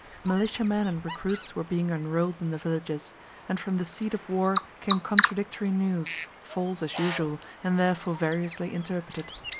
Militiamen and recruits were being enrolled in the villages, and from the seat of war came contradictory news, false as usual and therefore variously interpreted.